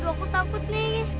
aku takut nih